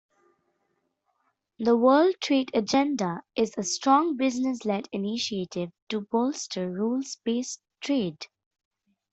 The World Trade Agenda is a strong business-led initiative to bolster rules-based trade.